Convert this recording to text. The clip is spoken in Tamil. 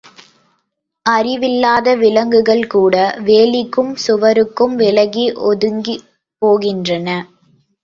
அறிவில்லாத விலங்குகள்கூட வேலிக்கும் சுவருக்கும் விலகி ஒதுங்கிப் போகின்றன.